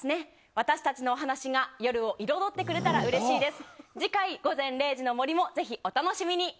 私たちのお話が夜を彩ってくれたらうれしいです。